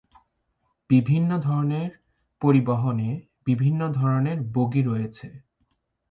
বিভিন্ন ধরনের পরিবহনে বিভিন্ন ধরনের বগি রয়েছে।